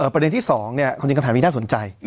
ประเด็นที่๒ความจริงคำถามนี้น่าสนใจ